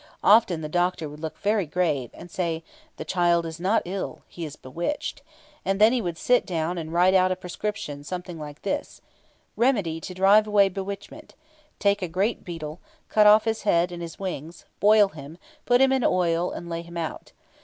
Often the doctor would look very grave, and say, "The child is not ill; he is bewitched"; and then he would sit down and write out a prescription something like this: "Remedy to drive away bewitchment. Take a great beetle; cut off his head and his wings, boil him, put him in oil, and lay him out.